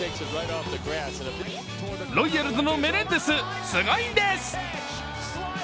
ロイヤルズのメレンデス、すごいんです！